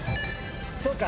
そうか。